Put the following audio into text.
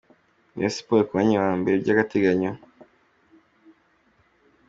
Reyo Siporo ku mwanya wa mbere by’agateganyo